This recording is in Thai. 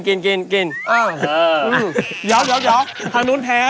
เดี๋ยวภาคโน้นแพ้